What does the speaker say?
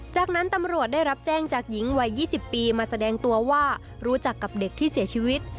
จากนั้นตำรวจได้รับแจ้งจากหญิงวัย๒๐ปีมาแสดงตัวว่ารู้จักกับเด็กที่เสียชีวิต